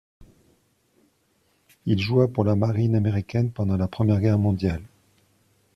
Il joua pour la Marine américaine pendant la Première Guerre mondiale.